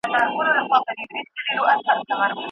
تعلیم د ټولنیز نظم د ټینګښت مهم عامل بلل کېږي.